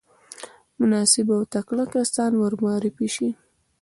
مناسب او تکړه کسان ورمعرفي شي.